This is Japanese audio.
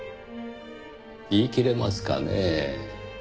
言いきれますかねぇ？